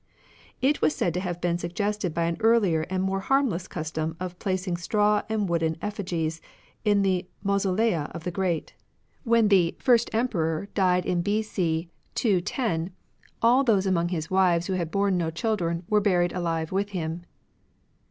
It was said to have been suggested by an earlier and more harmless custom of placing straw and wooden effigies in the mausolea of the great. 39 RELIGIONS OF ANCIENl^ CHINA When the " First Emperor " died in B.C. 210, all those among his wives who had borne no children were buried alive with him.